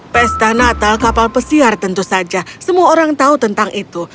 pesta natal kapal pesiar tentu saja semua orang tahu tentang itu